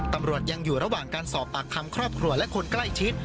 ตำรวจยังอยู่ระหว่างการสอบปากคำครอบครัวและคนใกล้ชิด